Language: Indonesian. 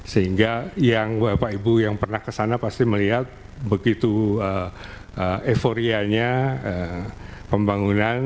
sehingga yang bapak ibu yang pernah kesana pasti melihat begitu euforianya pembangunan